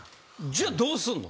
じゃあどうすんの？